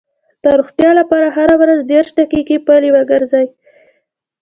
د روغتیا لپاره هره ورځ دېرش دقیقې پلي وګرځئ.